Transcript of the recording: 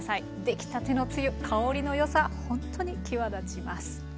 できたてのつゆ香りの良さほんとに際立ちます。